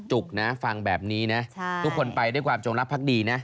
นะฟังแบบนี้นะทุกคนไปด้วยความจงรักภักดีนะ